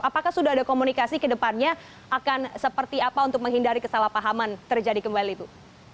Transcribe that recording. apakah sudah ada komunikasi ke depannya akan seperti apa untuk menghindari kesalahpahaman terjadi kembali bu